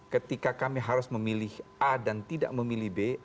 ketika kami harus memilih a dan tidak memilih b